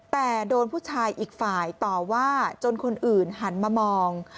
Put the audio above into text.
แต่โดนผู้ชายอีกฝ่ายต่อว่าจนคนอื่นหันมามอง